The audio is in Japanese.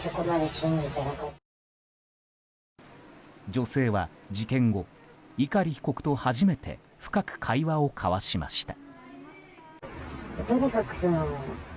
女性は事件後、碇被告と初めて深く会話を交わしました。